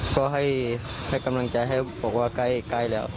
ก็ให้กำลังใจให้บอกว่าใกล้แล้ว